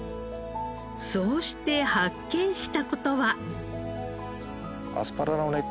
そうして発見した事は。